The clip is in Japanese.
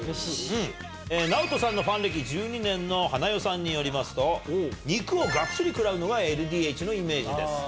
ＮＡＯＴＯさんのファン歴１２年のハナヨさんによりますと、肉をがっつり食らうのがＬＤＨのイメージです。